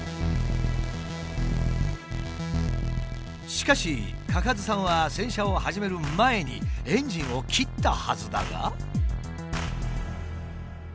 しかし嘉数さんは洗車を始める前にエンジンを切ったはずだが。